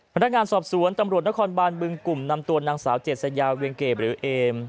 พนักงานสอบสวนตำรวจนครบานบึงกลุ่มนำตัวนางสาวเจษยาเวียงเก็บหรือเอม